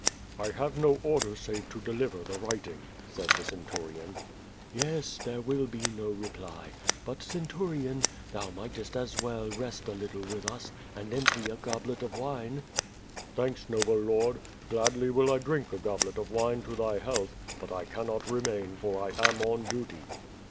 "I have no order save to deliver the writing," said the cen turion. "Yes! there wjll be no reply, but, centurion, thou mightcst as well rest a little with us, and empty a goblet of wine?" "Thanks, noble Ijord. Gladly will I drink a goblet of wine to thy health, but I cannot remain, for I am on duty."